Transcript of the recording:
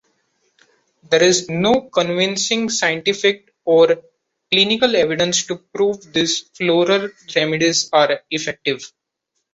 There is no convincing scientific or clinical evidence to prove these floral remedies are effective.